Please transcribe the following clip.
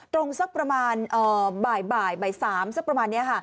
ตรงสักประมาณบ่ายบ่าย๓สักประมาณนี้